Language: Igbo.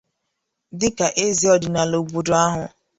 dịka eze ọdịnala obodo ahụ.